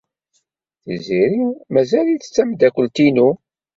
Tiziri mazal-itt d tameddakelt-inu.